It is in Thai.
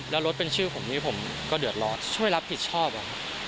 แล้วรถเป็นชื่อผมนี่ผมก็เดือดร้อนช่วยรับผิดชอบ